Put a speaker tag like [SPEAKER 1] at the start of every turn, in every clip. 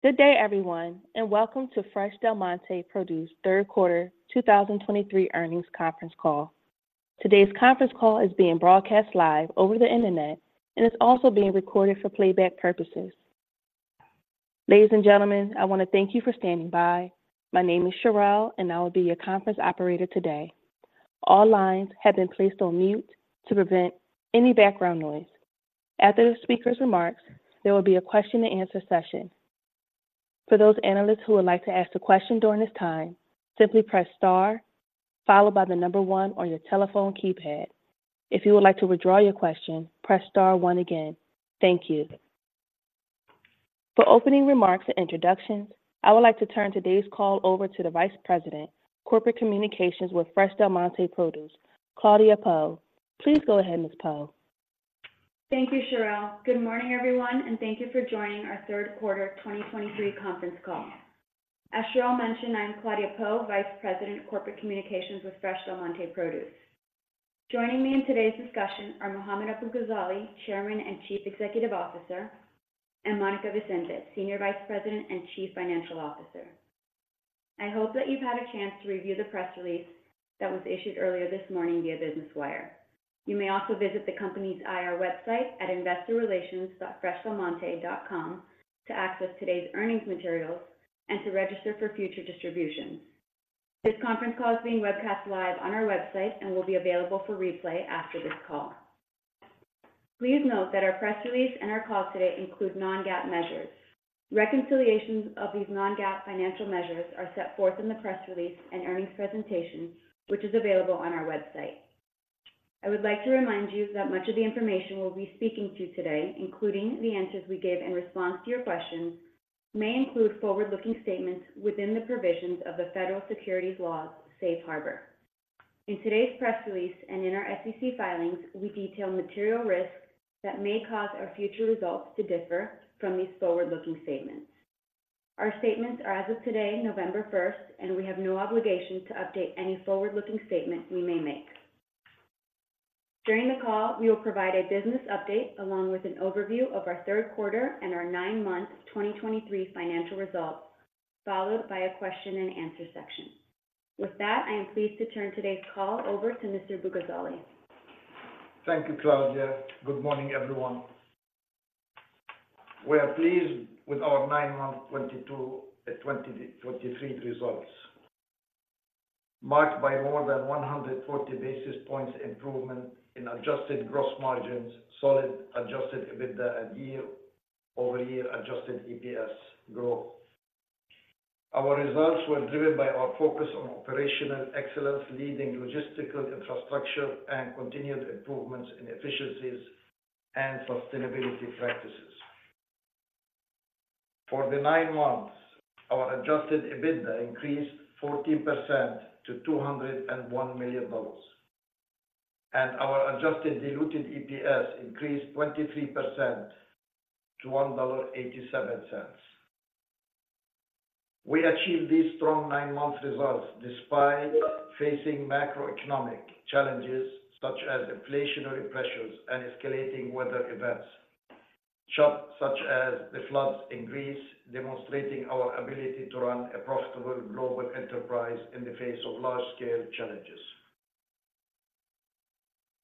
[SPEAKER 1] Good day, everyone, and welcome to Fresh Del Monte Produce third quarter 2023 earnings conference call. Today's conference call is being broadcast live over the Internet and is also being recorded for playback purposes. Ladies and gentlemen, I want to thank you for standing by. My name is Shirelle, and I will be your conference operator today. All lines have been placed on mute to prevent any background noise. After the speaker's remarks, there will be a question and answer session. For those analysts who would like to ask a question during this time, simply press Star followed by the number one on your telephone keypad. If you would like to withdraw your question, press star one again. Thank you. For opening remarks and introductions, I would like to turn today's call over to the Vice President, Corporate Communications with Fresh Del Monte Produce, Claudia Pou. Please go ahead, Ms. Pou.
[SPEAKER 2] Thank you, Shirelle. Good morning, everyone, and thank you for joining our third quarter 2023 conference call. As Shirelle mentioned, I'm Claudia Pou, Vice President of Corporate Communications with Fresh Del Monte Produce. Joining me in today's discussion are Mohammad Abu-Ghazaleh, Chairman and Chief Executive Officer, and Monica Vicente, Senior Vice President and Chief Financial Officer. I hope that you've had a chance to review the press release that was issued earlier this morning via Business Wire. You may also visit the company's IR website at investorrelations.freshdelmonte.com to access today's earnings materials and to register for future distributions. This conference call is being webcast live on our website and will be available for replay after this call. Please note that our press release and our call today include non-GAAP measures. Reconciliations of these non-GAAP financial measures are set forth in the press release and earnings presentation, which is available on our website. I would like to remind you that much of the information we'll be speaking to you today, including the answers we give in response to your questions, may include forward-looking statements within the provisions of the Federal Securities Laws Safe Harbor. In today's press release and in our SEC filings, we detail material risks that may cause our future results to differ from these forward-looking statements. Our statements are as of today, November 1st, and we have no obligation to update any forward-looking statements we may make. During the call, we will provide a business update along with an overview of our third quarter and our nine-month 2023 financial results, followed by a question and answer section. With that, I am pleased to turn today's call over to Mr. Abu-Ghazaleh.
[SPEAKER 3] Thank you, Claudia. Good morning, everyone. We are pleased with our nine-month 2022, 2023 results, marked by more than 140 basis points improvement in adjusted gross margin, solid adjusted EBITDA and year-over-year adjusted EPS growth. Our results were driven by our focus on operational excellence, leading logistical infrastructure, and continued improvements in efficiencies and sustainability practices. For the nine months, our adjusted EBITDA increased 14% to $201 million, and our adjusted diluted EPS increased 23% to $1.87. We achieved these strong nine-month results despite facing macroeconomic challenges such as inflationary pressures and escalating weather events, such as the floods in Greece, demonstrating our ability to run a profitable global enterprise in the face of large-scale challenges.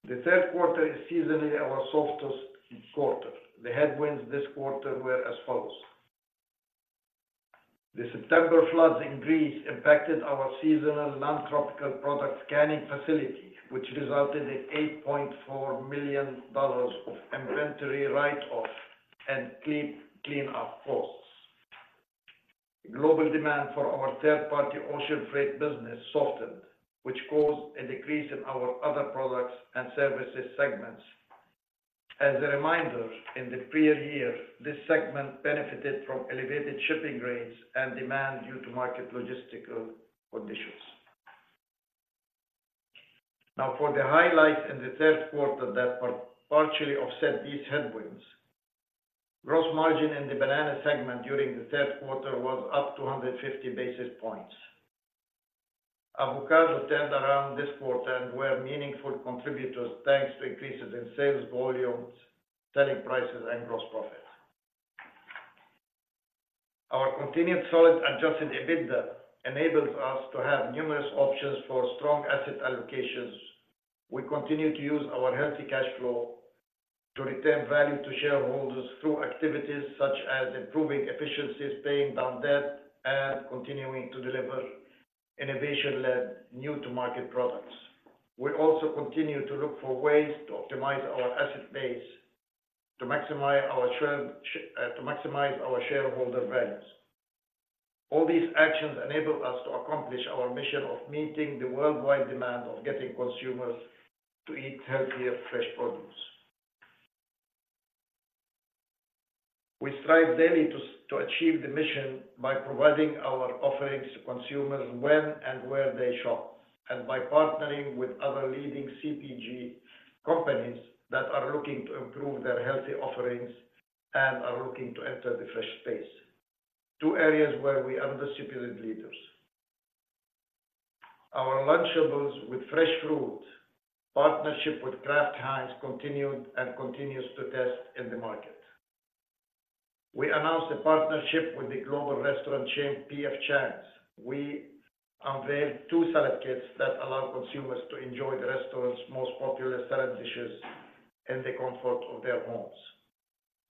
[SPEAKER 3] The third quarter is seasonally our softest quarter. The headwinds this quarter were as follows: The September floods in Greece impacted our seasonal non-tropical product scanning facility, which resulted in $8.4 million of inventory write-offs and clean-up costs. Global demand for our third-party ocean freight business softened, which caused a decrease in our other products and services segments. As a reminder, in the prior year, this segment benefited from elevated shipping rates and demand due to market logistical conditions. Now, for the highlights in the third quarter that partially offset these headwinds. Gross margin in the bananas segment during the third quarter was up 250 basis points. Avocados turned around this quarter and were meaningful contributors, thanks to increases in sales volumes, selling prices, and gross profit. Our continued solid adjusted EBITDA enables us to have numerous options for strong asset allocations. We continue to use our healthy cash flow to return value to shareholders through activities such as improving efficiencies, paying down debt, and continuing to deliver innovation-led new to market products. We also continue to look for ways to optimize our asset base to maximize our share, to maximize our shareholder values. All these actions enable us to accomplish our mission of meeting the worldwide demand of getting consumers to eat healthier, fresh produce. We strive daily to achieve the mission by providing our offerings to consumers when and where they shop, and by partnering with other leading CPG companies that are looking to improve their healthy offerings and are looking to enter the fresh space, two areas where we are the distributed leaders. Our Lunchables with Fresh Fruit partnership with Kraft Heinz continued and continues to test in the market. We announced a partnership with the global restaurant chain, P.F. Chang's. We unveiled two salad kits that allow consumers to enjoy the restaurant's most popular salad dishes in the comfort of their homes.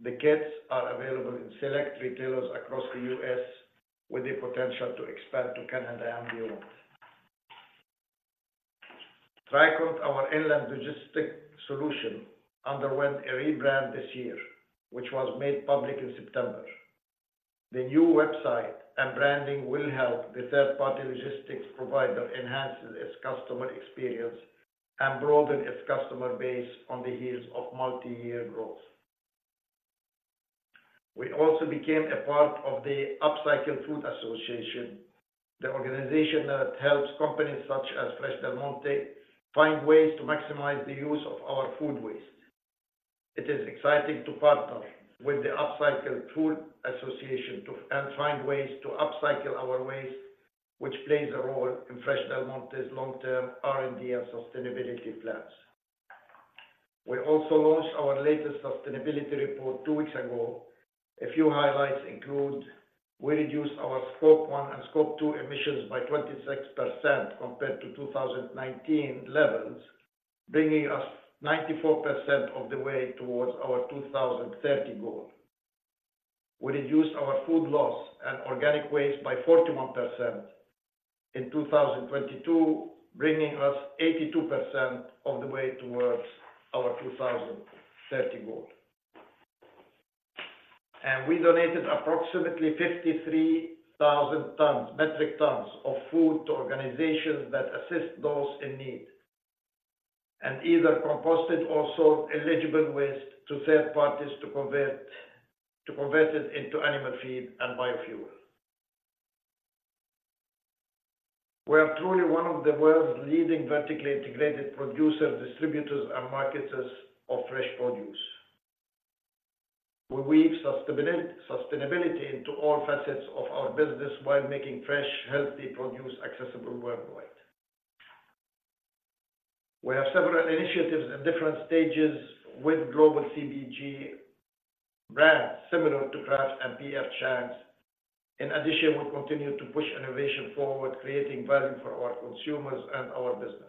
[SPEAKER 3] The kits are available in select retailers across the U.S., with the potential to expand to Canada and Europe. Tricont, our inland logistics solution, underwent a rebrand this year, which was made public in September. The new website and branding will help the third-party logistics provider enhance its customer experience and broaden its customer base on the heels of multi-year growth. We also became a part of the Upcycled Food Association, the organization that helps companies such as Fresh Del Monte find ways to maximize the use of our food waste. It is exciting to partner with the Upcycled Food Association to find ways to upcycle our waste, which plays a role in Fresh Del Monte's long-term R&D and sustainability plans. We also launched our latest sustainability report two weeks ago. A few highlights include: we reduced our Scope 1 and Scope 2 emissions by 26% compared to 2019 levels, bringing us 94% of the way towards our 2030 goal. We reduced our food loss and organic waste by 41% in 2022, bringing us 82% of the way towards our 2030 goal. We donated approximately 53,000 metric tons of food to organizations that assist those in need, and either composted or sold eligible waste to third parties to convert it into animal feed and biofuel. We are truly one of the world's leading vertically integrated producers, distributors, and marketers of fresh produce, where we weave sustainability into all facets of our business while making fresh, healthy produce accessible worldwide. We have several initiatives at different stages with global CPG brands similar to Kraft and P.F. Chang's. In addition, we continue to push innovation forward, creating value for our consumers and our business.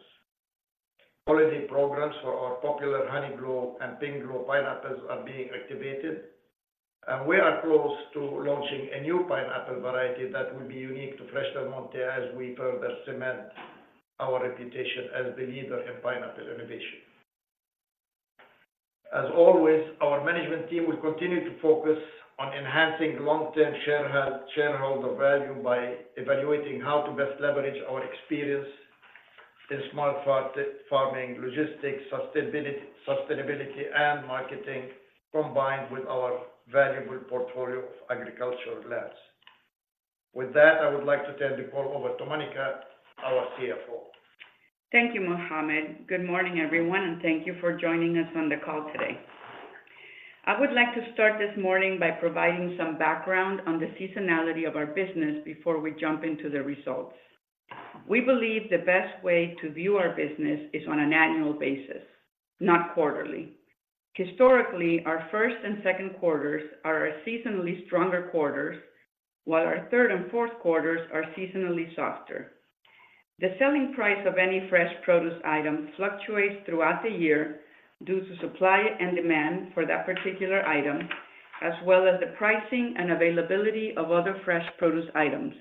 [SPEAKER 3] Quality programs for our popular Honeyglow and Pinkglow pineapples are being activated, and we are close to launching a new pineapple variety that will be unique to Fresh Del Monte as we further cement our reputation as the leader in pineapple innovation. As always, our management team will continue to focus on enhancing long-term shareholder value by evaluating how to best leverage our experience in smart farming, logistics, sustainability, and marketing, combined with our valuable portfolio of agricultural lands. With that, I would like to turn the call over to Monica, our CFO.
[SPEAKER 4] Thank you, Mohammad. Good morning, everyone, and thank you for joining us on the call today. I would like to start this morning by providing some background on the seasonality of our business before we jump into the results. We believe the best way to view our business is on an annual basis, not quarterly. Historically, our first and second quarters are our seasonally stronger quarters, while our third and fourth quarters are seasonally softer. The selling price of any fresh produce item fluctuates throughout the year due to supply and demand for that particular item, as well as the pricing and availability of other fresh produce items,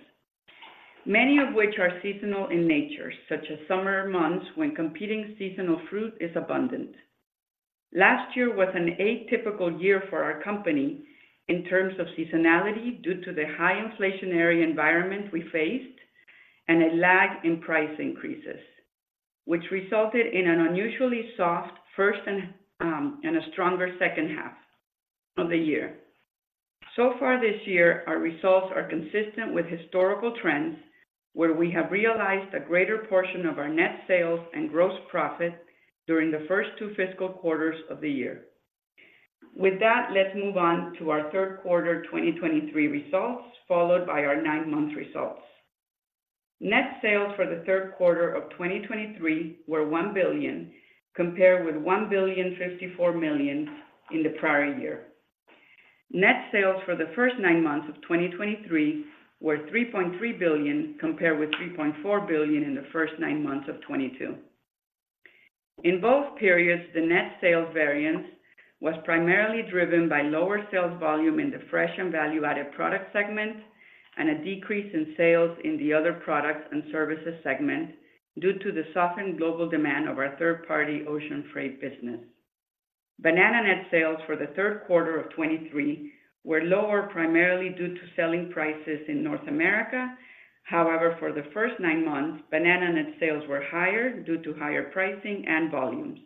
[SPEAKER 4] many of which are seasonal in nature, such as summer months when competing seasonal fruit is abundant. Last year was an atypical year for our company in terms of seasonality, due to the high inflationary environment we faced and a lag in price increases, which resulted in an unusually soft first and, and a stronger second half of the year. So far this year, our results are consistent with historical trends, where we have realized a greater portion of our net sales and gross profit during the first two fiscal quarters of the year. With that, let's move on to our third quarter 2023 results, followed by our nine-month results. Net sales for the third quarter of 2023 were $1 billion, compared with $1.054 billion in the prior year. Net sales for the first nine months of 2023 were $3.3 billion, compared with $3.4 billion in the first nine months of 2022. In both periods, the net sales variance was primarily driven by lower sales volume in the fresh and value-added product segment, and a decrease in sales in the other products and services segment due to the softened global demand of our third-party ocean freight business. Banana net sales for the third quarter of 2023 were lower, primarily due to selling prices in North America. However, for the first nine months, banana net sales were higher due to higher pricing and volumes.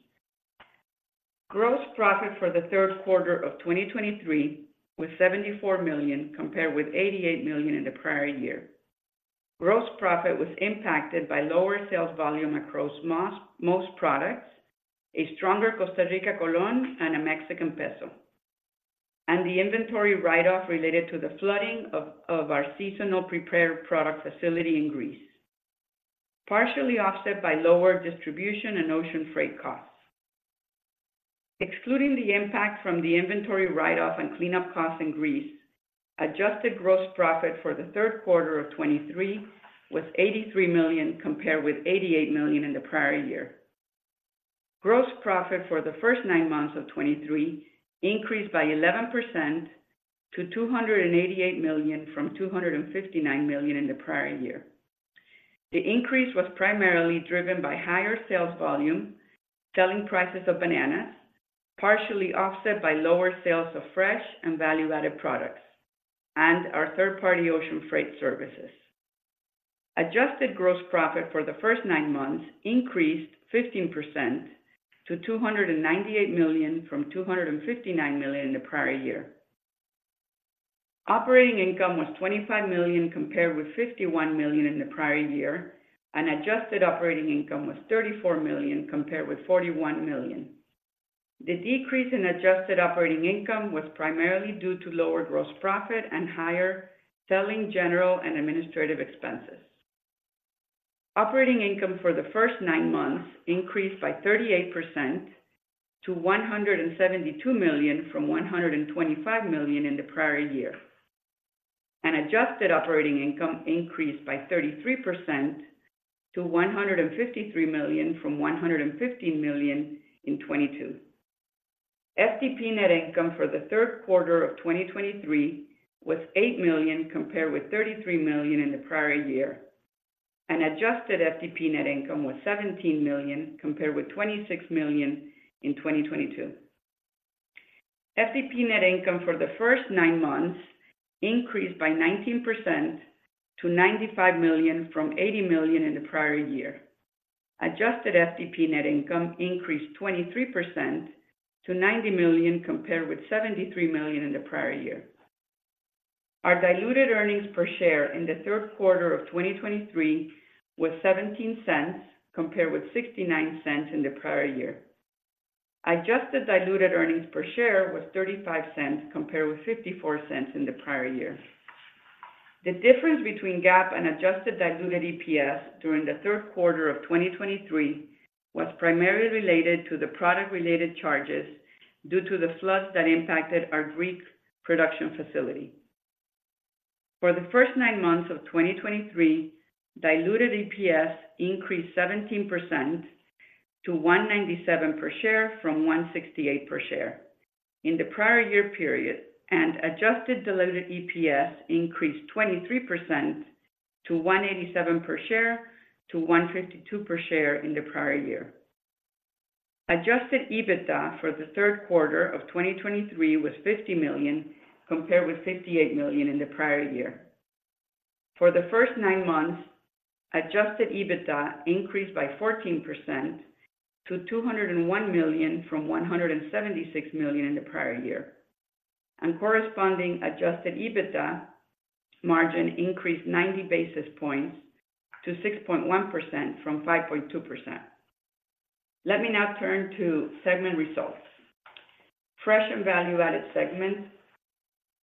[SPEAKER 4] Gross profit for the third quarter of 2023 was $74 million, compared with $88 million in the prior year. Gross profit was impacted by lower sales volume across most products, a stronger Costa Rican colón, and a Mexican peso, and the inventory write-off related to the flooding of our seasonal prepared product facility in Greece, partially offset by lower distribution and ocean freight costs. Excluding the impact from the inventory write-off and cleanup costs in Greece, adjusted gross profit for the third quarter of 2023 was $83 million, compared with $88 million in the prior year. Gross profit for the first nine months of 2023 increased by 11% to $288 million, from $259 million in the prior year. The increase was primarily driven by higher sales volume, selling prices of bananas, partially offset by lower sales of fresh and value-added products, and our third-party ocean freight services. Adjusted gross profit for the first nine months increased 15% to $298 million, from $259 million in the prior year. Operating income was $25 million, compared with $51 million in the prior year, and adjusted operating income was $34 million, compared with $41 million. The decrease in adjusted operating income was primarily due to lower gross profit and higher selling, general, and administrative expenses. Operating income for the first nine months increased by 38% to $172 million from $125 million in the prior year, and adjusted operating income increased by 33% to $153 million from $115 million in 2022. FDP net income for the third quarter of 2023 was $8 million, compared with $33 million in the prior year, and adjusted FDP net income was $17 million, compared with $26 million in 2022. FDP net income for the first nine months increased by 19% to $95 million, from $80 million in the prior year. Adjusted FDP net income increased 23% to $90 million, compared with $73 million in the prior year. Our diluted earnings per share in the third quarter of 2023 was $0.17, compared with $0.69 in the prior year. Adjusted diluted earnings per share was $0.35, compared with $0.54 in the prior year. The difference between GAAP and adjusted diluted EPS during the third quarter of 2023 was primarily related to the product-related charges due to the floods that impacted our Greek production facility. For the first nine months of 2023, diluted EPS increased 17% to $1.97 per share, from $1.68 per share in the prior year period, and adjusted diluted EPS increased 23% to $1.87 per share, to $1.52 per share in the prior year. Adjusted EBITDA for the third quarter of 2023 was $50 million, compared with $58 million in the prior year. For the first nine months, adjusted EBITDA increased by 14% to $201 million, from $176 million in the prior year, and corresponding adjusted EBITDA margin increased 90 basis points to 6.1% from 5.2%. Let me now turn to segment results. Fresh and Value Added segment.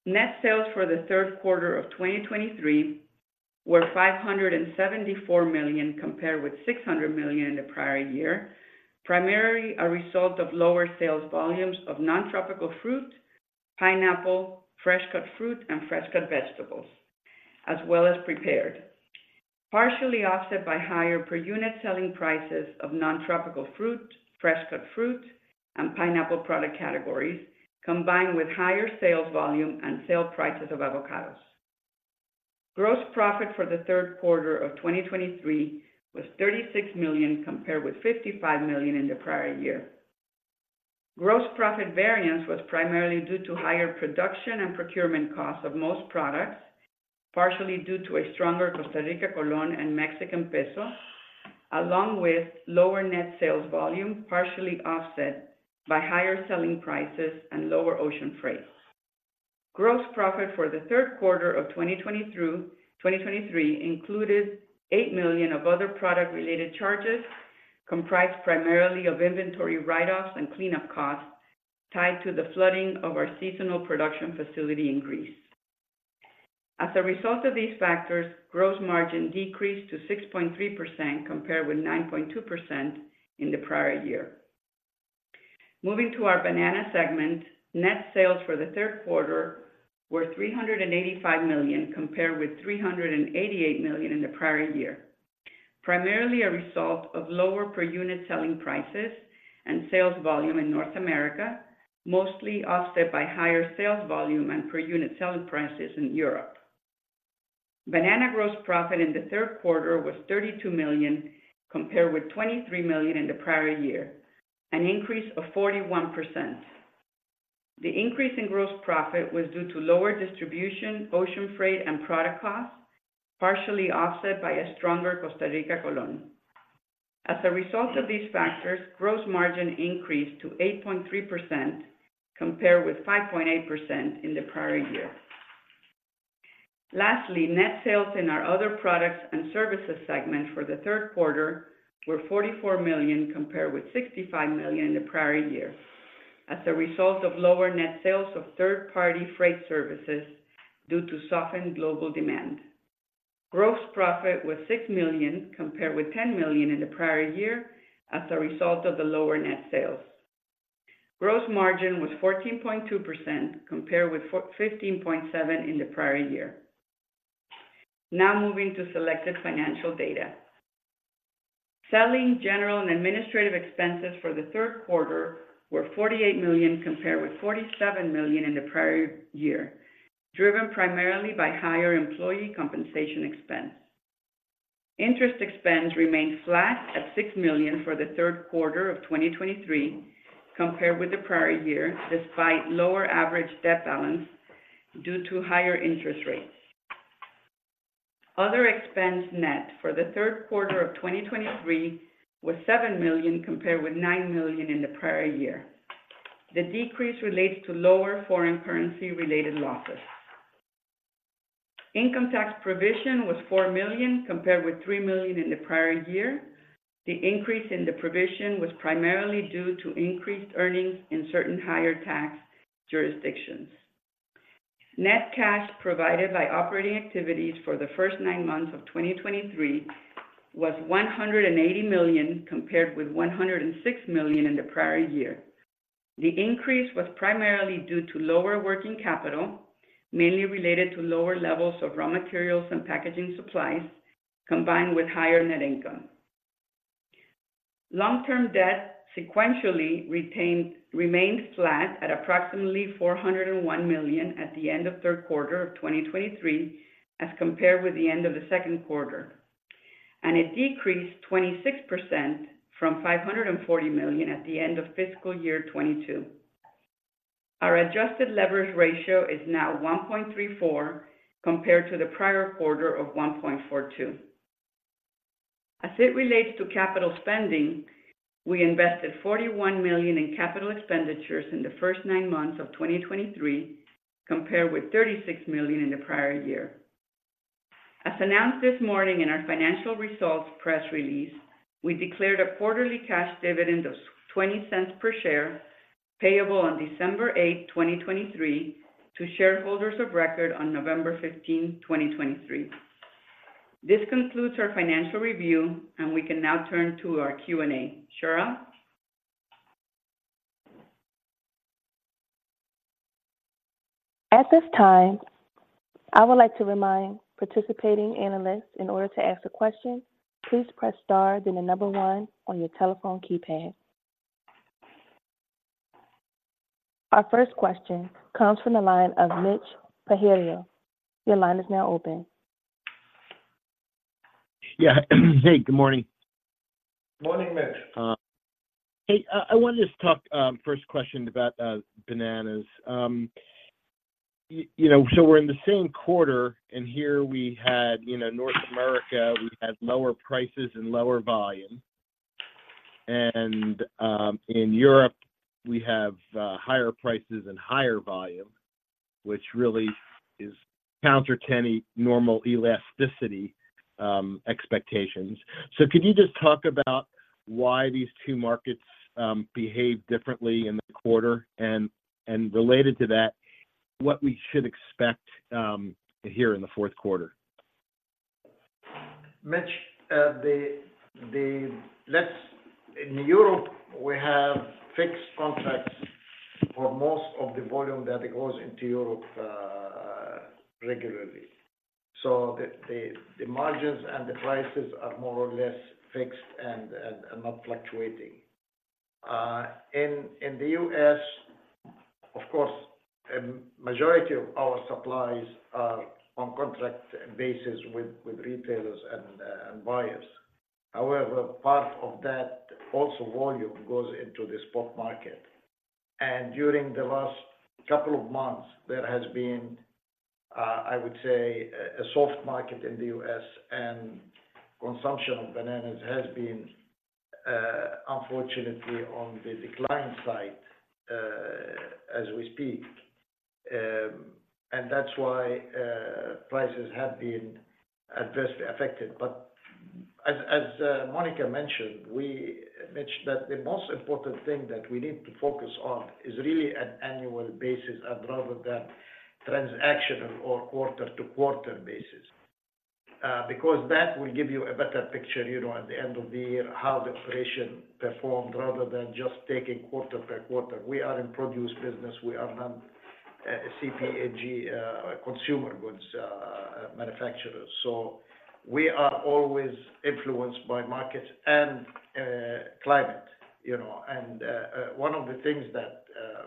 [SPEAKER 4] Net sales for the third quarter of 2023 were $574 million, compared with $600 million in the prior year, primarily a result of lower sales volumes of non-tropical fruit, pineapple, fresh-cut fruit, and fresh-cut vegetables, as well as prepared. Partially offset by higher per unit selling prices of non-tropical fruit, fresh-cut fruit, and pineapple product categories, combined with higher sales volume and sale prices of avocados. Gross profit for the third quarter of 2023 was $36 million, compared with $55 million in the prior year. Gross profit variance was primarily due to higher production and procurement costs of most products, partially due to a stronger Costa Rican colón and Mexican peso, along with lower net sales volume, partially offset by higher selling prices and lower ocean freight. Gross profit for the third quarter of 2023 included $8 million of other product-related charges, comprised primarily of inventory write-offs and cleanup costs tied to the flooding of our seasonal production facility in Greece. As a result of these factors, gross margin decreased to 6.3%, compared with 9.2% in the prior year. Moving to our banana segment, net sales for the third quarter were $385 million, compared with $388 million in the prior year, primarily a result of lower per unit selling prices and sales volume in North America, mostly offset by higher sales volume and per unit selling prices in Europe. Banana gross profit in the third quarter was $32 million, compared with $23 million in the prior year, an increase of 41%. The increase in gross profit was due to lower distribution, ocean freight, and product costs, partially offset by a stronger Costa Rican colón. As a result of these factors, gross margin increased to 8.3%, compared with 5.8% in the prior year. Lastly, net sales in our other products and services segment for the third quarter were $44 million, compared with $65 million in the prior year, as a result of lower net sales of third party freight services due to softened global demand. Gross profit was $6 million, compared with $10 million in the prior year, as a result of the lower net sales. Gross margin was 14.2%, compared with 15.7% in the prior year. Now moving to selected financial data. Selling, general and administrative expenses for the third quarter were $48 million, compared with $47 million in the prior year, driven primarily by higher employee compensation expense. Interest expense remained flat at $6 million for the third quarter of 2023, compared with the prior year, despite lower average debt balance due to higher interest rates. Other expense, net for the third quarter of 2023 was $7 million, compared with $9 million in the prior year. The decrease relates to lower foreign currency-related losses. Income tax provision was $4 million, compared with $3 million in the prior year. The increase in the provision was primarily due to increased earnings in certain higher tax jurisdictions. Net cash provided by operating activities for the first nine months of 2023 was $180 million, compared with $106 million in the prior year. The increase was primarily due to lower working capital, mainly related to lower levels of raw materials and packaging supplies, combined with higher net income. Long-term debt remained flat at approximately $401 million at the end of third quarter of 2023, as compared with the end of the second quarter, and it decreased 26% from $540 million at the end of fiscal year 2022. Our adjusted leverage ratio is now 1.34, compared to the prior quarter of 1.42. As it relates to capital spending, we invested $41 million in capital expenditures in the first nine months of 2023, compared with $36 million in the prior year. As announced this morning in our financial results press release, we declared a quarterly cash dividend of $0.20 per share, payable on December 8, 2023 to shareholders of record on November 15, 2023. This concludes our financial review, and we can now turn to our Q&A. Shirelle?
[SPEAKER 1] At this time, I would like to remind participating analysts, in order to ask a question, please press star, then the number one on your telephone keypad. Our first question comes from the line of Mitch Pinheiro. Your line is now open.
[SPEAKER 5] Yeah, hey, good morning.
[SPEAKER 3] Morning, Mitch.
[SPEAKER 5] Hey, I wanted to talk first question about bananas. You know, so we're in the same quarter, and here we had, you know, North America, we had lower prices and lower volume. And in Europe, we have higher prices and higher volume, which really is counter to any normal elasticity expectations. So could you just talk about why these two markets behave differently in the quarter? And related to that, what we should expect here in the fourth quarter?
[SPEAKER 3] Mitch, In Europe, we have fixed contracts for most of the volume that goes into Europe, regularly. So the margins and the prices are more or less fixed and not fluctuating. In the U.S., of course, majority of our supplies are on contract basis with retailers and buyers. However, part of that also volume goes into the spot market. And during the last couple of months, there has been, I would say, a soft market in the U.S., and consumption of bananas has been, unfortunately, on the decline side, as we speak. And that's why prices have been adversely affected. But as Monica mentioned, we... Mitch, that the most important thing that we need to focus on is really an annual basis rather than transactional or quarter-to-quarter basis. Because that will give you a better picture, you know, at the end of the year, how the operation performed, rather than just taking quarter-by-quarter. We are in produce business. We are not, CPG, consumer goods, manufacturers. So we are always influenced by market and, climate, you know? And, one of the things that,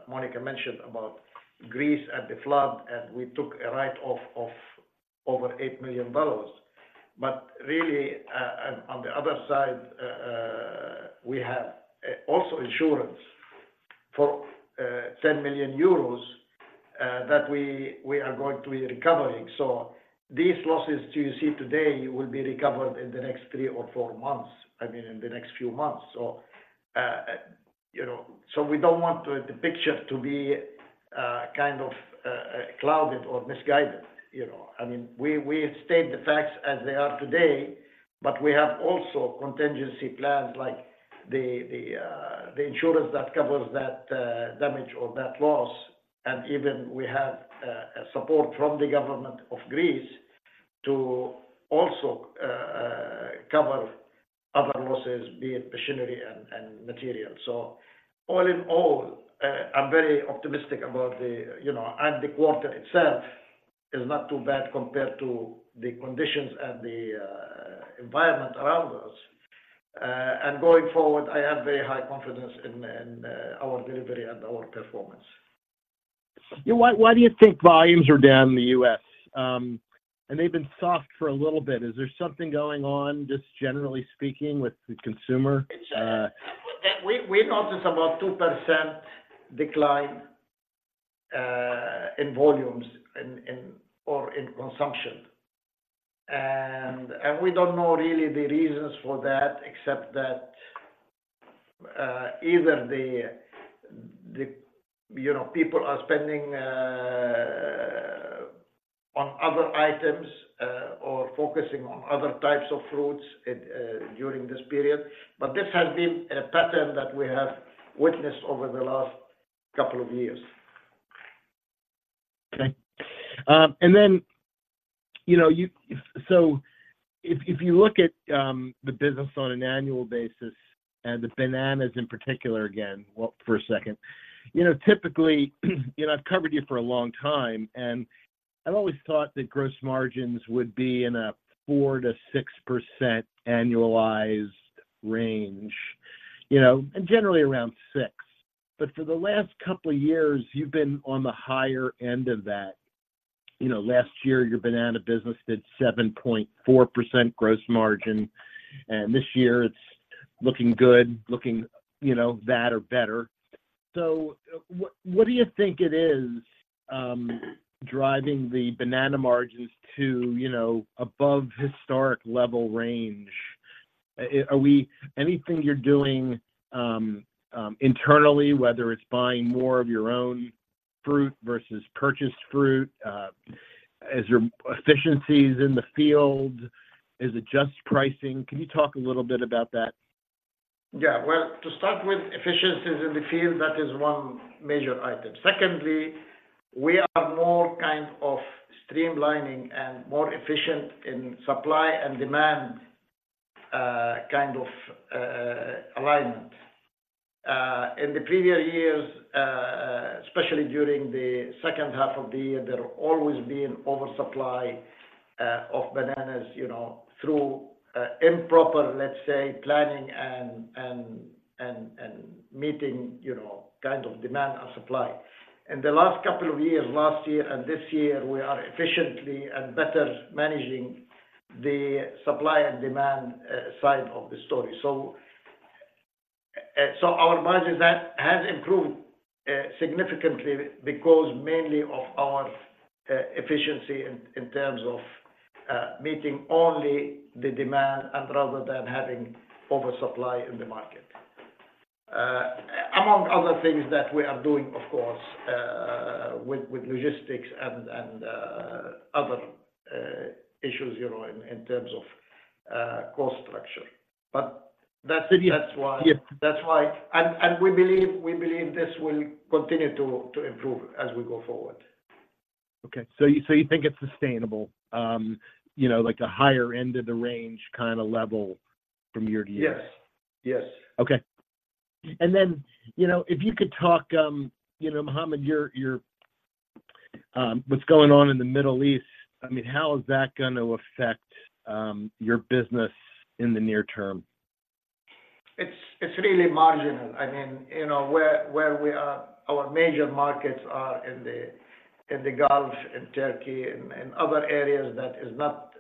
[SPEAKER 3] Monica mentioned about Greece and the flood, and we took a write-off of over $8 million. But really, and on the other side, we have, also insurance for, 10 million euros, that we are going to be recovering. These losses you see today will be recovered in the next three or four months, I mean, in the next few months. You know, so we don't want the picture to be kind of clouded or misguided, you know. I mean, we state the facts as they are today, but we have also contingency plans like the insurance that covers that damage or that loss. And even we have a support from the government of Greece to also cover other losses, be it machinery and material. So all in all, I'm very optimistic about the, you know, and the quarter itself is not too bad compared to the conditions and the environment around us. And going forward, I have very high confidence in our delivery and our performance.
[SPEAKER 5] Yeah, why, why do you think volumes are down in the U.S.? They've been soft for a little bit. Is there something going on, just generally speaking, with the consumer?
[SPEAKER 3] We notice about a 2% decline in volumes or in consumption. And we don't know really the reasons for that, except that either, you know, people are spending on other items or focusing on other types of fruits during this period. But this has been a pattern that we have witnessed over the last couple of years.
[SPEAKER 5] Okay. And then, you know, you— So if you look at the business on an annual basis, and the bananas in particular, well, for a second, you know, typically, you know, I've covered you for a long time, and I've always thought that gross margins would be in a 4%-6% annualized range, you know, and generally around 6%. But for the last couple of years, you've been on the higher end of that. You know, last year, your banana business did 7.4% gross margin, and this year it's looking good, you know, that or better. So what do you think it is driving the banana margins to, you know, above historic level range? Anything you're doing internally, whether it's buying more of your own fruit versus purchased fruit, is there efficiencies in the field? Is it just pricing? Can you talk a little bit about that?
[SPEAKER 3] Yeah. Well, to start with, efficiencies in the field, that is one major item. Secondly, we are more kind of streamlining and more efficient in supply and demand, kind of, alignment. In the previous years, especially during the second half of the year, there have always been oversupply of bananas, you know, through improper, let's say, planning and meeting, you know, kind of demand and supply. In the last couple of years, last year and this year, we are efficiently and better managing the supply and demand side of the story. So, so our margin has improved significantly because mainly of our efficiency in terms of meeting only the demand and rather than having oversupply in the market. Among other things that we are doing, of course, with logistics and other issues, you know, in terms of cost structure. But that's That's why... and we believe this will continue to improve as we go forward.
[SPEAKER 5] Okay. So you think it's sustainable, you know, like the higher end of the range kind of level from year-to-year?
[SPEAKER 3] Yes. Yes.
[SPEAKER 5] Okay. And then, you know, if you could talk, you know, Mohammad, what's going on in the Middle East, I mean, how is that going to affect your business in the near term?
[SPEAKER 3] It's, it's really marginal. I mean, you know, where we are, our major markets are in the Gulf, in Turkey, and other areas that is not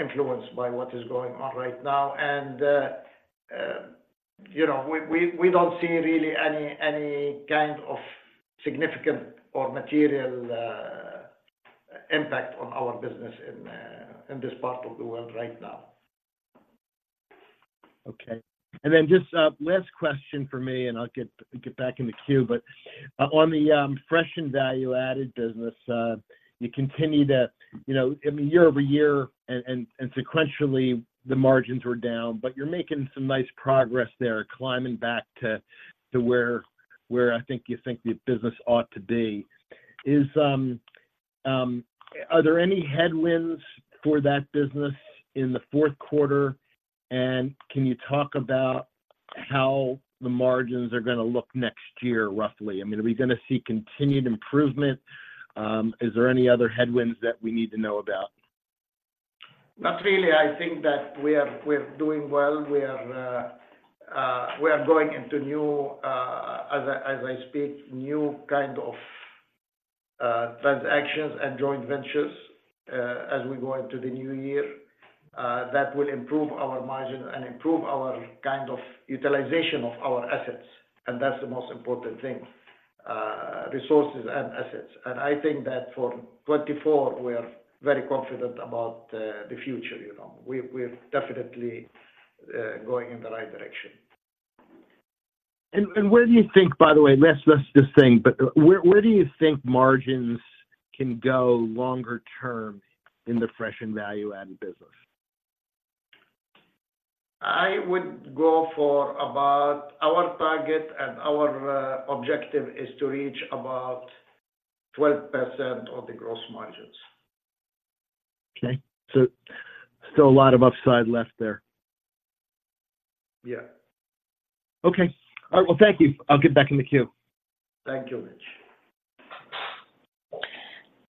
[SPEAKER 3] influenced by what is going on right now. And, you know, we don't see really any kind of significant or material impact on our business in this part of the world right now.
[SPEAKER 5] Okay. And then just, last question for me, and I'll get back in the queue. But, on the fresh and value-added business, you continue to, you know, I mean, year-over-year and sequentially, the margins were down, but you're making some nice progress there, climbing back to where I think you think the business ought to be. Are there any headwinds for that business in the fourth quarter? And can you talk about how the margins are gonna look next year, roughly? I mean, are we gonna see continued improvement? Is there any other headwinds that we need to know about?
[SPEAKER 3] Not really. I think that we are, we're doing well. We are going into new, as I speak, new kind of transactions and joint ventures, as we go into the new year, that will improve our margin and improve our kind of utilization of our assets, and that's the most important thing, resources and assets. I think that for 2024, we are very confident about the future. You know, we're definitely going in the right direction.
[SPEAKER 5] And where do you think, by the way, let's just say, but where do you think margins can go longer term in the fresh and value-added business?
[SPEAKER 3] I would go for about our target and our objective is to reach about 12% of the gross margins.
[SPEAKER 5] Okay. So, a lot of upside left there.
[SPEAKER 3] Yeah.
[SPEAKER 5] Okay. All right. Well, thank you. I'll get back in the queue.
[SPEAKER 3] Thank you, Mitch.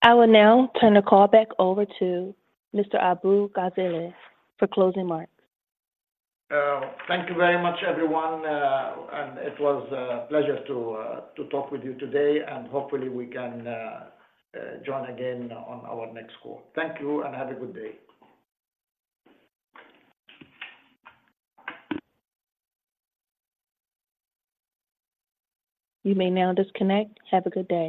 [SPEAKER 1] I will now turn the call back over to Mr. Abu-Ghazaleh for closing remarks.
[SPEAKER 3] Thank you very much, everyone, and it was a pleasure to talk with you today, and hopefully we can join again on our next call. Thank you, and have a good day.
[SPEAKER 1] You may now disconnect. Have a good day.